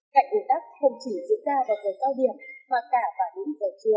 cạnh ưu tắc không chỉ diễn ra vào giờ cao điểm mà cả vào đúng giờ trưa